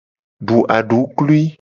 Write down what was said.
Du aduklui.